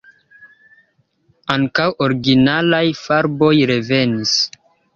Ankaŭ originalaj farboj revenis.